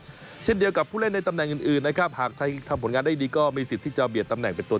ที่จะได้ยึดตำแหน่งตัวจริงที่ชาติไทยนะครับ